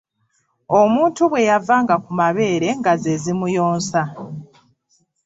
Omuntu bwe yavanga ku mabeere nga ze zimuyonsa